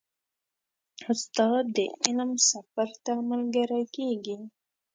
استاد د علم سفر ته ملګری کېږي.